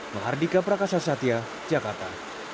mahardika prakasa satya jakarta